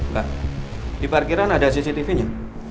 pak di parkiran ada cctv nya